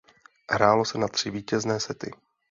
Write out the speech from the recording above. Hrálo se na tři vítězné sety.